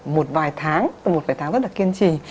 một vài tháng một vài tháng rất là kiên trì